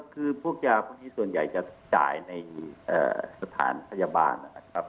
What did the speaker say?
คือพวกยาพวกนี้ส่วนใหญ่จะจ่ายในสถานพยาบาลนะครับ